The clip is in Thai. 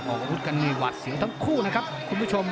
ออกอาวุธกันนี่หวัดเสียวทั้งคู่นะครับคุณผู้ชม